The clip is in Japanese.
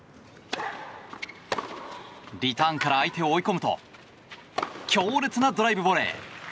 リターンから相手を追い込むと強烈なドライブボレー。